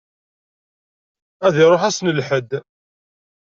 Ad iṛuḥ ass n lḥedd.